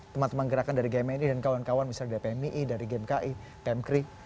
teman teman gerakan dari gmi ini dan kawan kawan misalnya dari pmi dari gmi pmkri